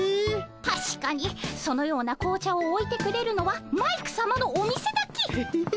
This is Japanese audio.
たしかにそのような紅茶をおいてくれるのはマイクさまのお店だけ。